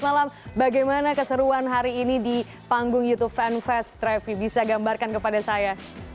halo selamat malam bagaimana keseruan hari ini di panggung youtube fan fest trevi bisa gambarkan kepada saya